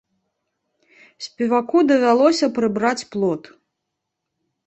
Спеваку давялося прыбраць плот.